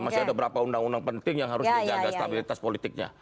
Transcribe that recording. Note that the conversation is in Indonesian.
masih ada berapa undang undang penting yang harus dijaga stabilitas politiknya